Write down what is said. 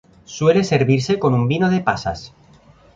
Suele servirse con un vino de pasas.